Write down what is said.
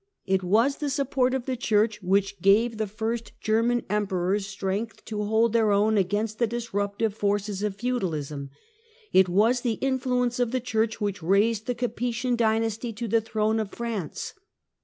It was the support of the Church which gave the first German Emperors strength to hold their own against the dis ruptive forces of feudalism. It was the influence of the Church which raised the Capetian dynasty to the throne of France.